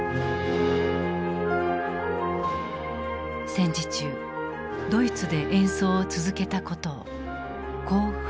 戦時中ドイツで演奏を続けたことをこう振り返っている。